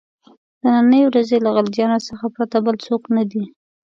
د نني ورځې له غلجیانو څخه پرته بل څوک نه دي.